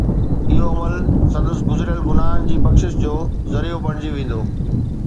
اهو عمل سندس گذريل گناهن جي بخشش جو ذريعو بڻجي ويندو